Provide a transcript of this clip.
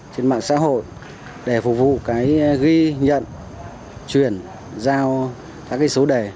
trên mạng xã hội để phục vụ cái ghi nhận chuyển giao các số đề